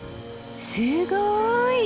すごい！